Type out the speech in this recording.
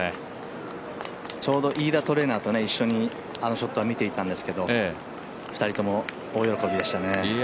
ちょうど飯田トレーナーと一緒にあのショットは見ていたんですけど２人とも大喜びでしたね。